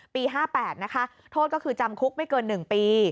ปี๕๘นะคะโทษก็คือจำคุกไม่เกิน๑ปี